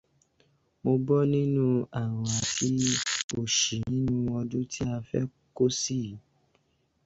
Mo bó nínú àrùn àti òṣì nínú ọdún tí a fẹ́ kó sí yìí.